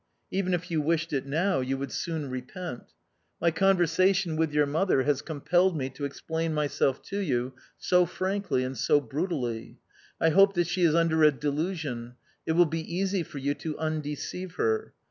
Even if you wished it now, you would soon repent. My conversation with your mother has compelled me to explain myself to you so frankly and so brutally. I hope that she is under a delusion: it will be easy for you to undeceive her.